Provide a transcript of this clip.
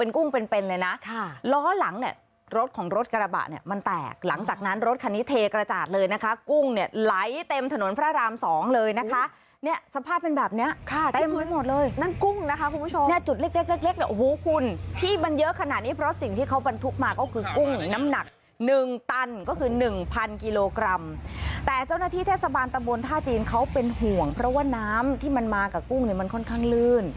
ก็เป็นห่วงเพราะว่าน้ำที่มันมากับกุ้งเนี่ยมันค่อนข้างลื่น